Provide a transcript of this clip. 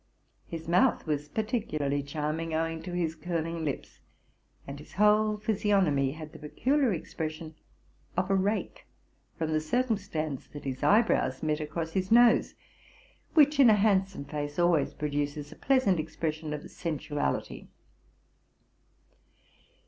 His mouth was particularly charming, owing to his curling lips; and his whole physi ognomy had the peculiar expression of a rake, from the cir cumstance that his eyebrows met across his nose, which, ina handsome face, always produces a pleasant expression of sensuality.